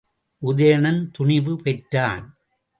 உதயணன் துணிவு பெற்றான்.